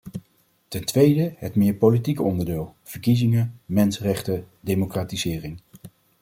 Ten tweede, het meer politieke onderdeel: verkiezingen, mensenrechten, democratisering.